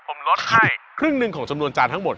บนรถด้วยครึ่งหนึ่งของสมดวนจานทั้งหมด